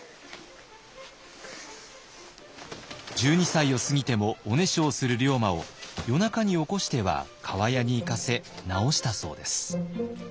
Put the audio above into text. １２歳を過ぎてもおねしょをする龍馬を夜中に起こしては厠に行かせ治したそうです。